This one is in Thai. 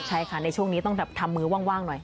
ใช่ค่ะในช่วงนี้ต้องแบบทำมือว่างหน่อย